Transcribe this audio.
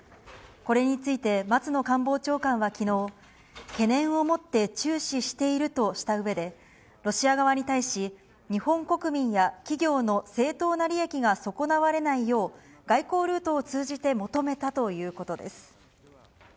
これについて、松野官房長官はきのう、懸念を持って注視しているとしたうえで、ロシア側に対し、日本国民や企業の正当な利益が損なわれないよう、外交ルートを通じて求めたということです。